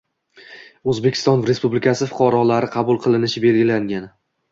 O‘zbekiston Respublikasi fuqarolari qabul qilinishi belgilangan.